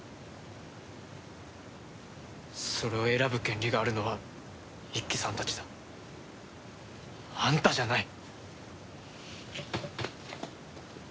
それを選ぶ権利があるのは一輝さんたちだ。あんたじゃない。